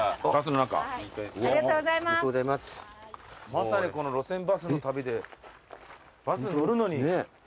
まさにこの路線バスの旅でバスに乗るのに。